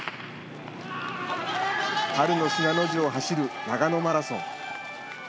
春の信濃路を走る長野マラソン。